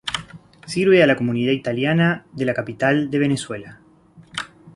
Sirve a la comunidad italiana de la capital de Venezuela.